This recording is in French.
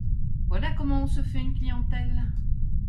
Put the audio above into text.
Voilà comment on se fait une clientèle !